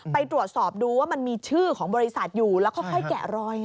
ไปตรวจสอบดูว่ามันมีชื่อของบริษัทอยู่แล้วค่อยแกะรอย